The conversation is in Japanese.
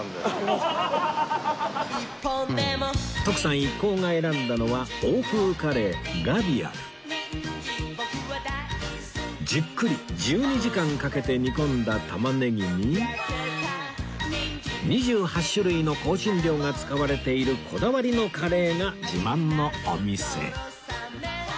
徳さん一行が選んだのはじっくり１２時間かけて煮込んだ玉ねぎに２８種類の香辛料が使われているこだわりのカレーが自慢のお店